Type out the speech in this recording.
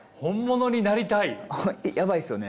やばいですよね。